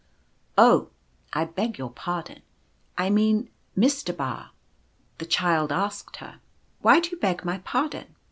Oh ! I beg your par don. I mean, Mister Ba." The Child asked her : cc Why do you beg my pardon